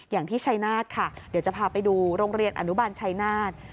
อย่างที่ชัยนาธค่ะเดี๋ยวจะพาไปดูโรงเรียนอนุบาลชัยนาธ